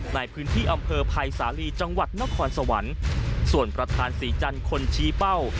ในพื้นที่อำเภอภัยสาลีจังหวัดนครสวรรค์ส่วนประธานศรีจันทร์คนชี้เป้า